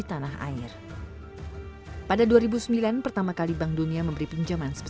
tapi profesionalisasi pekerjaan itu